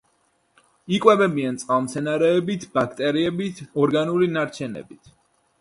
იკვებებიან წყალმცენარეებით, ბაქტერიებით, ორგანული ნარჩენებით.